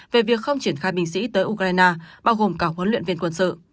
về việc không triển khai binh sĩ tới ukraine bao gồm cả huấn luyện viên quân sự